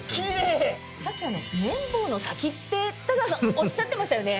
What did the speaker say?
さっき綿棒の先って太川さんおっしゃってましたよね？